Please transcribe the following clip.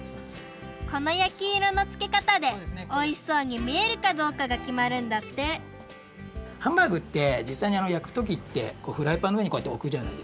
このやきいろのつけかたでおいしそうにみえるかどうかがきまるんだってハンバーグってじっさいにやくときってフライパンのうえにこうやっておくじゃないですか。